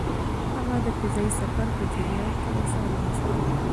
هغه د فضايي سفر په جریان کې ورسره ناست و.